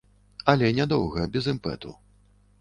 Але нядоўга, без імпэту.